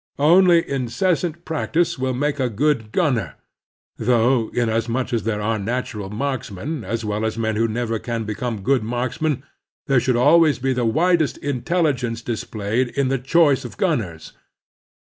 Only incessant practice will make a good gunner; though, inasmuch as there are natural marksmen as well as men who never can become good marks men, there should always be the widest intelli gence displayed in the choice of gunners.